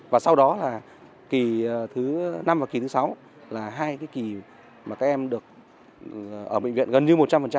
và sau đó là kỳ thứ năm và kỳ thứ sáu là hai cái kỳ mà các em được ở bệnh viện gần như một trăm linh